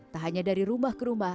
tak hanya dari rumah ke rumah